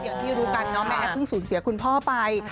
อย่างที่รู้กันเนาะแม่แอฟเพิ่งสูญเสียคุณพ่อไป